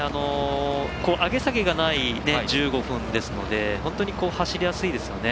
上げ下げがない１５分ですので本当に走りやすいですよね。